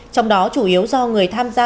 trong đó chủ yếu do người tham gia